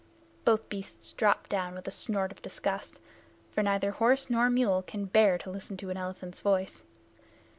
Both beasts dropped down with a snort of disgust, for neither horse nor mule can bear to listen to an elephant's voice.